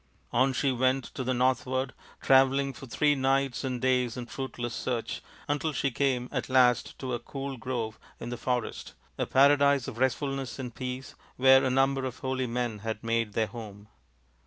On she went to the northward, travelling for three nights and days in fruitless search, until she came at last to a cool grove in the forest, a paradise of restfulness and peace, where a number of holy men had made their home.